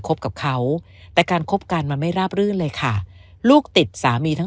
บกับเขาแต่การคบกันมันไม่ราบรื่นเลยค่ะลูกติดสามีทั้ง